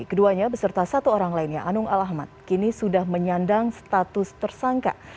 keduanya beserta satu orang lainnya anung al ahmad kini sudah menyandang status tersangka